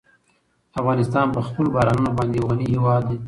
افغانستان په خپلو بارانونو باندې یو غني هېواد دی.